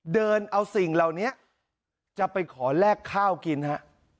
เดินเอาสิ่งเหล่านี้จะไปขอแลกข้าวกินฮะ